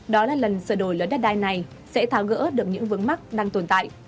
đó là lần sửa đổi lớn đất đai này sẽ tháo gỡ được những vướng mắt đang tồn tại